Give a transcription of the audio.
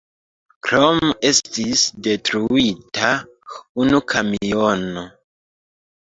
Krome estis detruita unu kamiono.